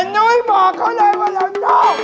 นุ้ยบอกเขาเลยว่าเราชอบ